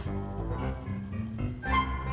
terima kasih ya